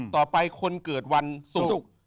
ต่อไปคนเกิดวันศุกร์